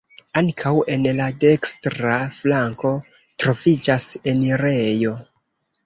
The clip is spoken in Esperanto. Ankaŭ en la dekstra flanko troviĝas enirejo.